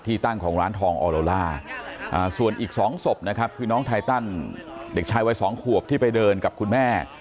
ตั้งของร้านทองออโลล่าส่วนอีก๒ศพนะครับคือน้องไทตันเด็กชายวัย๒ขวบที่ไปเดินกับคุณแม่